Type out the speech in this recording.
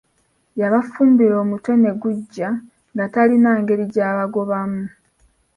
Yabafumbira omutwe ne guggya, nga talina ngeri gy'abagobamu